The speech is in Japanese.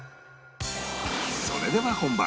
それでは本番